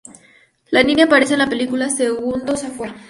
Landini aparece en la película "¡Segundos afuera!